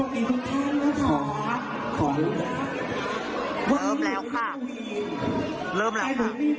แล้วค่ะเริ่มแล้วค่ะเริ่มแล้วค่ะ